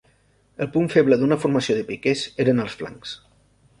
El punt feble d'una formació de piquers eren els flancs.